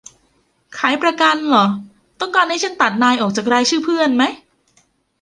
ขายประกันหรอ ต้องการให้ฉันตัดนายออกจากรายชื่อเพื่อนไหม